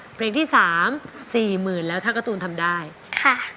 เพลงที่สามสี่หมื่นแล้วถ้าการ์ตูนทำได้ค่ะ